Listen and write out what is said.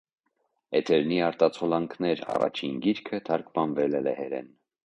«Էթերնի արտացոլանքներ» առաջին գիրքը թարգմանվել է լեհերն։